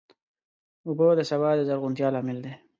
اوبه د سبا د زرغونتیا لامل دي.